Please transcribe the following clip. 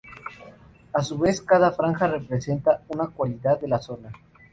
A su vez, cada franja representa una cualidad de la zona.